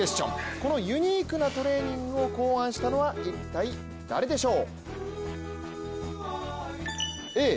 このユニークなトレーニングを考案したのは一体誰でしょう。